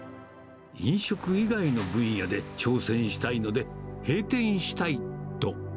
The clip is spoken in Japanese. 飲食以外の分野で挑戦したいので、閉店したいと。